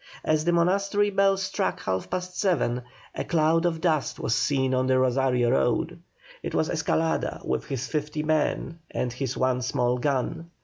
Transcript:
As the monastery bell struck half past seven, a cloud of dust was seen on the Rosario road. It was Escalada, with his fifty men and his one small gun.